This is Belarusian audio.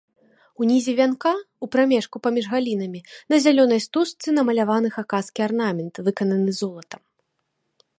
Унізе вянка, у прамежку паміж галінамі, на зялёнай стужцы намаляваны хакаскі арнамент, выкананы золатам.